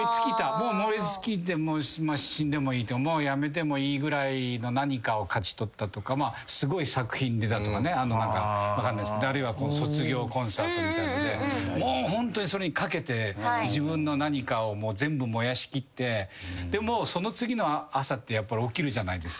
燃え尽きて死んでもいいやめてもいいぐらいの何かを勝ち取ったとかすごい作品に出たとかねあるいは卒業コンサートみたいのでホントにそれにかけて自分の何かを全部燃やしきってその次の朝ってやっぱり起きるじゃないですか。